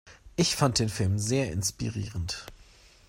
Ich fand den Film sehr inspirierend.